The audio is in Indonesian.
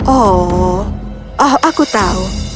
oh aku tahu